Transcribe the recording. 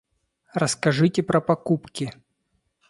Расскажите про покупки.